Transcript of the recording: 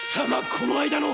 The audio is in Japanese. この間の！